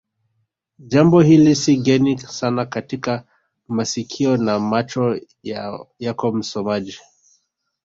jambo hili si geni sana katika masikio na macho yako msomaji